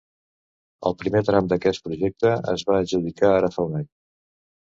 El primer tram d’aquest projecte, es va adjudicar ara fa un any.